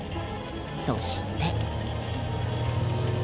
そして。